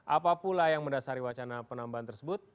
apa pula yang mendasari wacana penambahan tersebut